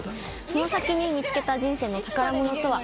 その先に見つけた人生の宝物とは？